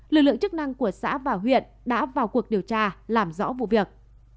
lực lượng chức năng của xã và huyện đã vào cuộc điều tra làm rõ vụ việc